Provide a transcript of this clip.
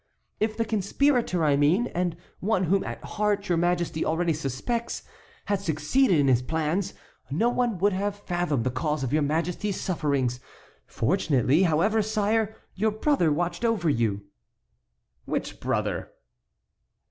"If the conspirator I mean, and one whom at heart your Majesty already suspects, had succeeded in his plans, no one would have fathomed the cause of your Majesty's sufferings. Fortunately, however, sire, your brother watched over you." "Which brother?"